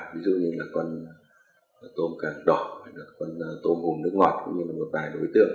ví dụ như là con tôm càng đỏ hay là con tôm hùm nước ngọt cũng như là một vài đối tượng